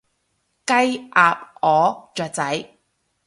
雞，鴨，鵝，雀仔